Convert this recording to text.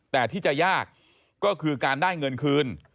แต่ที่จะยากก็คือการได้เงินคืน